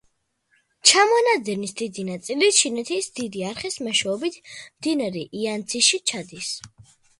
ჩამონადენის დიდი ნაწილი ჩინეთის დიდი არხის მეშვეობით მდინარე იანძიში ჩადის.